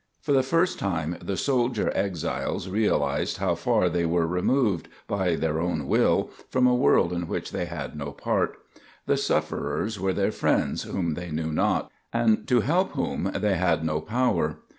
For the first time the soldier exiles realized how far they were removed, by their own will, from a world in which they had no part. The sufferers were their friends whom they knew not, and to help whom they had no power.